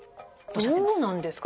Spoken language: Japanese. どうなんですか？